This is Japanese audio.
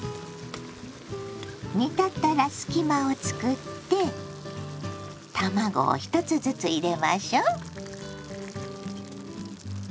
煮立ったら隙間をつくって卵を１つずつ入れましょう。